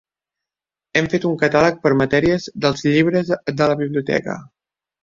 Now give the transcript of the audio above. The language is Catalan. Hem fet un catàleg per matèries dels llibres de la biblioteca.